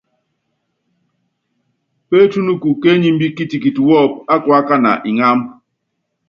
Pétúnuku kéenyimbí kitikiti wɔ́ɔ́pú ákuákána iŋámb.